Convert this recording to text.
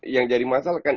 yang jadi masalah kan